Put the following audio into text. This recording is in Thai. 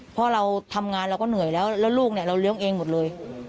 เพราะเราทำงานเราก็เหนื่อยแล้วแล้วลูกเนี่ยเราเลี้ยงเองหมดเลย